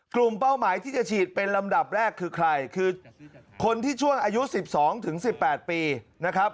กลุ่มเป้าหมายที่จะฉีดเป็นลำดับแรกคือใครคือคนที่ช่วงอายุสิบสองถึงสิบแปดปีนะครับ